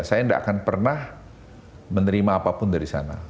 saya tidak akan pernah menerima apapun dari sana